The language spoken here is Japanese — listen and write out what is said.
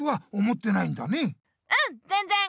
うんぜんぜん！